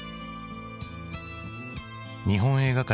日本映画界